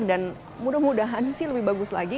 dan mudah mudahan sih lebih bagus lagi